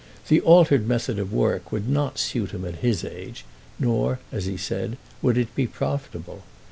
The altered method of work would not suit him at his age, nor, as he said, would it be profitable.